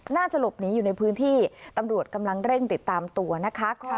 น่าจะหลบหนีอยู่ในพื้นที่ตำรวจกำลังเร่งติดตามตัวนะคะ